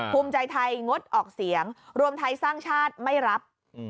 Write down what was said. ภูมิใจไทยงดออกเสียงรวมไทยสร้างชาติไม่รับ